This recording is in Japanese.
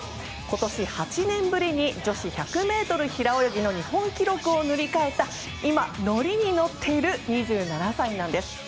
今年８年ぶりに女子１００ｍ平泳ぎの日本記録を塗り替えた今、乗りに乗っている２７歳なんです。